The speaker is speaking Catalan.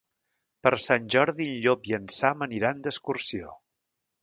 Per Sant Jordi en Llop i en Sam aniran d'excursió.